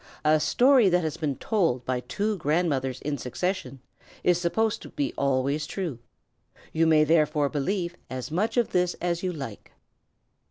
A story that has been told by two grandmothers in succession is supposed to be always true; you may therefore believe as much of this as you like."